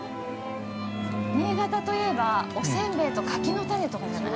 新潟といえば、おせんべいと柿の種とかじゃない。